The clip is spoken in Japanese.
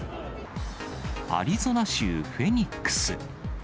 アリゾナ州フェニックス。